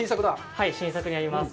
新作になります。